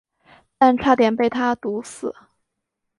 但差点被他毒死。